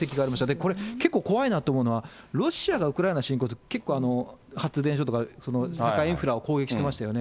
これ、結構怖いなと思うのは、ロシアがウクライナ侵攻したとき発電所とか、インフラを攻撃してましたよね。